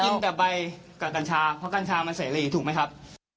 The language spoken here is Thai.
กินแต่ใบกับกัญชาเพราะกัญชามันเสรีถูกไหมครับ